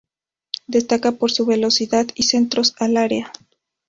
Destaca por su velocidad y centros al área.